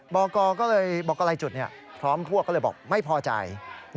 บอกอะไรจุดพร้อมทั่วก็เลยบอกไม่พอใจ